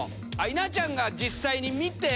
稲ちゃんが実際に見て。